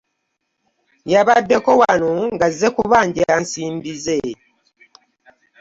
Yabaddeko wano ng'azze kubanja nsimbi ze.